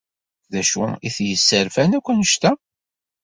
D acu i t-yesserfan akk anect-a?